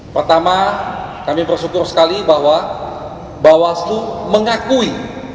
pertama kami bersyukur sekali bahwa bawaslu mengakui